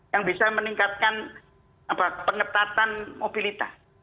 yang bisa meningkatkan pengetatan mobilitas